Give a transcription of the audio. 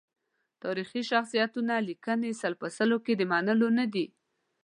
تاریخي شخصیتونو لیکنې سل په سل کې د منلو ندي.